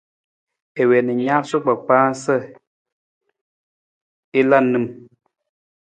I wii na i naasuu kpakpaa sa i la nim.